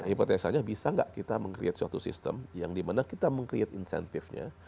hipotesanya bisa nggak kita meng create suatu sistem yang dimana kita meng create insentifnya